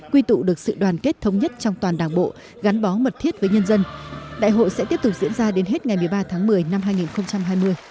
quy tụ được sự đoàn kết thống nhất trong toàn đảng bộ gắn bó mật thiết với nhân dân đại hội sẽ tiếp tục diễn ra đến hết ngày một mươi ba tháng một mươi năm hai nghìn hai mươi